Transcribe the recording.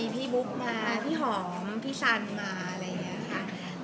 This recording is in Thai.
พี่บุ๊กมาพี่หอมพี่ชันมาอะไรอย่างนี้ค่ะ